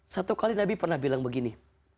satu kali nabi pernah bilang begini